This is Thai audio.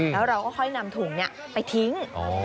แล้วเราก็ค่อยนำถุงไปทิ้ง